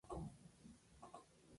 Es el herrero del taller "Lisa".